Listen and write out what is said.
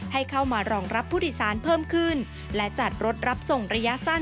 ให้เข้ามารองรับผู้โดยสารเพิ่มขึ้นและจัดรถรับส่งระยะสั้น